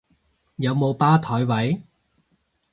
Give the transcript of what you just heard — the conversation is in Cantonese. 有冇吧枱位？